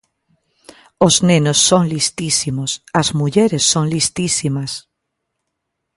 Os nenos son listísimos, as mulleres son listísimas.